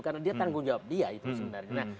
karena dia tanggung jawab dia itu sebenarnya